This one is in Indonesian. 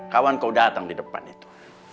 kawan kau datang di depan itu